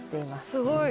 すごい。